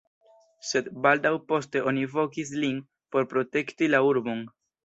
Sed baldaŭ poste oni vokis lin por protekti la urbon.